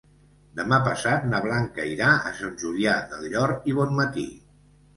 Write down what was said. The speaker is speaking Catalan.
Demà passat na Blanca irà a Sant Julià del Llor i Bonmatí.